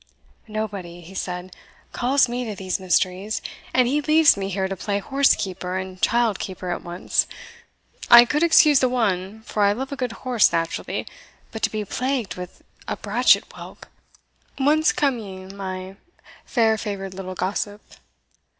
"Nobody," he said, "calls me to these mysteries and he leaves me here to play horse keeper and child keeper at once. I could excuse the one, for I love a good horse naturally; but to be plagued with a bratchet whelp. Whence come ye, my fair favoured little gossip?"